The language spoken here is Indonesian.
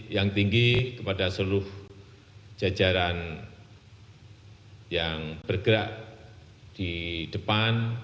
yang tinggi kepada seluruh jajaran yang bergerak di depan